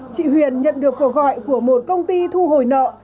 chị huyền nhận được cuộc gọi của một công ty thu hồi nợ